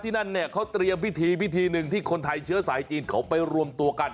นั่นเนี่ยเขาเตรียมพิธีพิธีหนึ่งที่คนไทยเชื้อสายจีนเขาไปรวมตัวกัน